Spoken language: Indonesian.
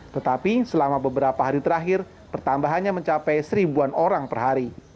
tetapi selama beberapa hari terakhir pertambahannya mencapai seribuan orang per hari